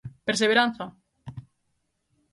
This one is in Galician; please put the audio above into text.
¿Perseveranza?